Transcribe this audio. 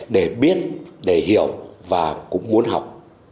để biết để hiểu và cũng muốn học